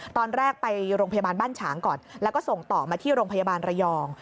ตอนแรกไปโรงพยาบาลบ้านฉางก่อนแล้วก็ส่งต่อมาที่โรงพยาบาลระยอง